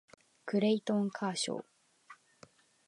クレイトン・カーショー